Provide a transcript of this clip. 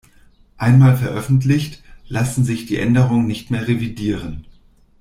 Einmal veröffentlicht, lassen sich die Änderungen nicht mehr revidieren.